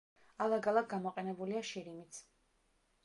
ალაგ-ალაგ გამოყენებულია შირიმიც.